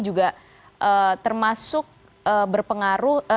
juga termasuk berpengaruh